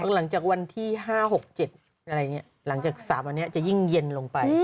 หลังจากวันที่๕๖๗หลังจาก๓วันเนี้ยจะยิ่งเย็นลงไป